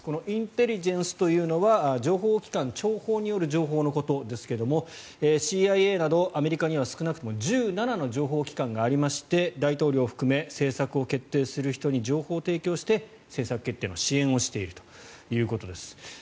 インテリジェンスというのは情報機関・諜報による情報のことですがＣＩＡなどアメリカには少なくとも１７の情報機関がありまして大統領含め政策を決定する人に情報を提供して政策決定の支援をしているということですね。